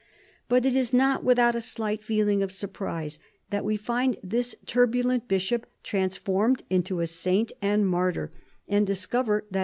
But it is not without a slight feeling of surprise that we find this turbulent bishop trans formed into a saint and martyr, and discover that 42 CHARLEMAGNE.